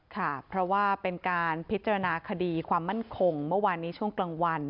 ค่ะเพราะว่าเป็นการพิจารณาคดีความมั่นคงเมื่อวานนี้ช่วงกลางวัน